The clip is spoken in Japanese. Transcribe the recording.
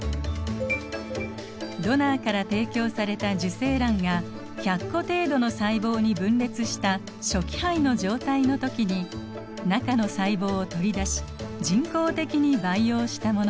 ドナーから提供された受精卵が１００個程度の細胞に分裂した初期胚の状態の時に中の細胞を取り出し人工的に培養したものです。